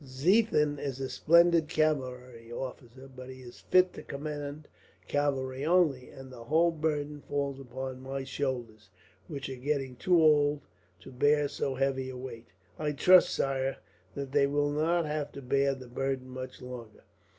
"Ziethen is a splendid cavalry officer, but he is fit to command cavalry only; and the whole burden falls upon my shoulders, which are getting too old to bear so heavy a weight." "I trust, sire, that they will not have to bear the burden much longer.